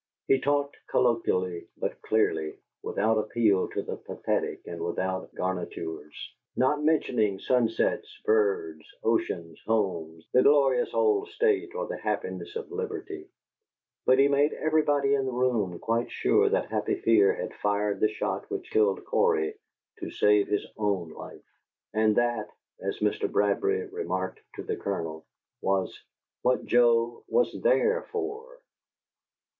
He talked colloquially but clearly, without appeal to the pathetic and without garnitures, not mentioning sunsets, birds, oceans, homes, the glorious old State, or the happiness of liberty; but he made everybody in the room quite sure that Happy Fear had fired the shot which killed Cory to save his own life. And that, as Mr. Bradbury remarked to the Colonel, was "what Joe was THERE for!"